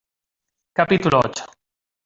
capítulo ocho.